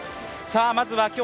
まずは今日